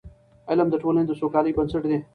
علم د ټولني د سوکالۍ بنسټ دی.